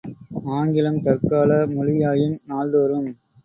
ஆங்கிலம் தற்கால மொழியாயும், நாள்தோறும்